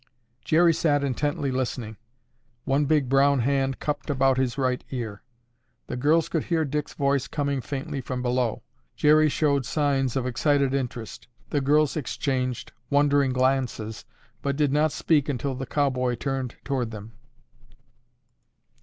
Jerry sat intently listening, one big brown hand cupped about his right ear. The girls could hear Dick's voice coming faintly from below. Jerry showed signs of excited interest. The girls exchanged wondering glances but did not speak until the cowboy turned toward them.